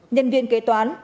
nhân viên kế toán